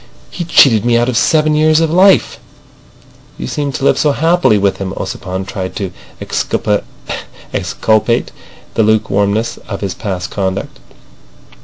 He cheated me out of seven years of life." "You seemed to live so happily with him." Ossipon tried to exculpate the lukewarmness of his past conduct.